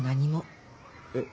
えっ？